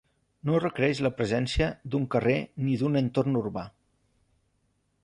No requereix la presència d'un carrer ni d'un entorn urbà.